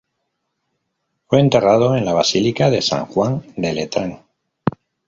Fue enterrado en la Basílica de San Juan de Letrán.